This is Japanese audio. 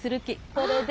これで。